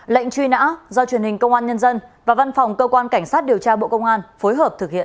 lệnh truy nã do truyền hình công an nhân dân và văn phòng cơ quan cảnh sát điều tra bộ công an phối hợp thực hiện